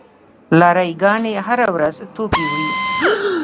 لاری ګانې هره ورځ توکي وړي.